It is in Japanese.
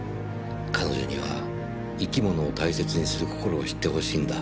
彼女には生き物を大切にする心を知ってほしいんだ。